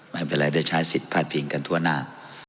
ไม่เป็นไรได้ใช้สิทธิ์พาดพิงกันทั่วหน้า